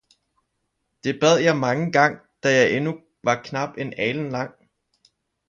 Det bad jeg mangen gang, da jeg endnu var knap en alen lang